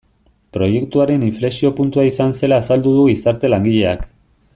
Proiektuaren inflexio puntua izan zela azaldu du gizarte langileak.